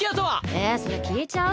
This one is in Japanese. ええそれ聞いちゃう？